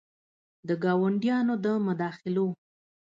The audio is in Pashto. د ګاونډیانو د مداخلو